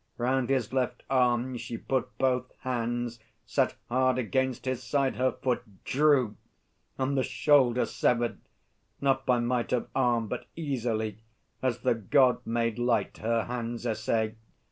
Round his left arm she put Both hands, set hard against his side her foot, Drew ... and the shoulder severed! Not by might Of arm, but easily, as the God made light Her hand's essay.